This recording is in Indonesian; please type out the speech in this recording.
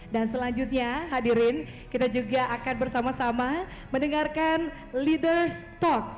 dan selanjutnya hadirin kita juga akan bersama sama mendengarkan leaders talk